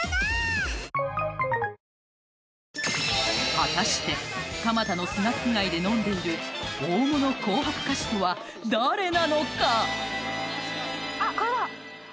果たして蒲田のスナック街で飲んでいる大物紅白歌手とは誰なのか？